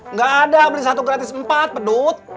nggak ada beli satu gratis empat pedut